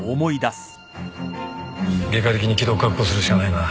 外科的に気道確保するしかないな